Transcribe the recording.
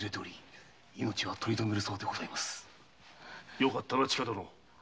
よかったな千加殿。